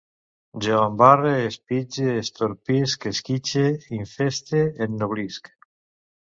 Jo embarrere, espitge, entorpisc, esquitxe, infeste, ennoblisc